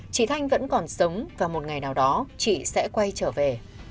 chị thanh vẫn còn sống và một ngày nào đó chị sẽ quay trở về